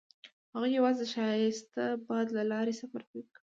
هغوی یوځای د ښایسته باد له لارې سفر پیل کړ.